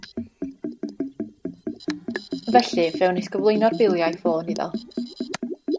Felly fe wnes gyflwyno'r biliau ffôn iddo